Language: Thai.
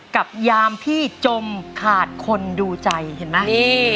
กับยามพี่จมขาดคนดูใจเห็นไหม